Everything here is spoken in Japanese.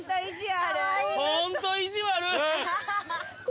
ホント意地悪。